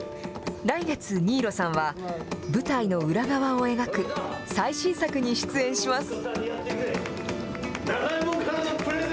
来月、新納さんは舞台の裏側を描く最新作に出演します。